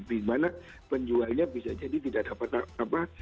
di mana penjualnya bisa jadi tidak dapat apa